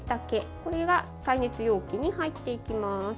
これが耐熱容器に入っていきます。